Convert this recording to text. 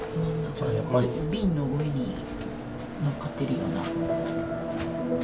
瓶の上に乗っかってるような。